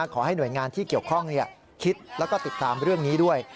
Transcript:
ขอให้หน่วยงานที่เกี่ยวข้องคิดแล้วก็ติดตามเรื่องนี้ด้วย